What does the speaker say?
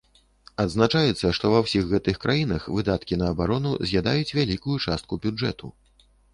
Адзначаецца, што ва ўсіх гэтых краінах выдаткі на абарону з'ядаюць вялікую частку бюджэту.